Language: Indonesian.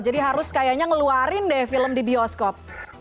jadi harus kayaknya ngeluarin deh film di bioskop